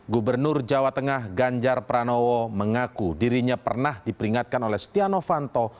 gubernur jawa tengah ganjar pranowo mengaku dirinya pernah diperingatkan oleh setia novanto